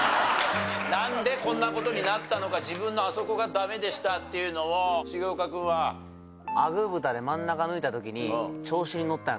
なんでこんな事になったのか自分のあそこがダメでしたっていうのを重岡君は？アグー豚で。